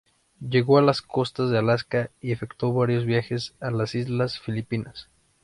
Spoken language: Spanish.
Llegó a las costas de Alaska y efectuó varios viajes a las Islas Filipinas.